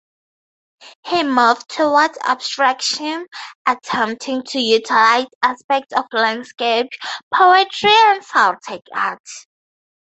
He moved towards abstraction, attempting to utilise aspects of landscape, poetry and Celtic art.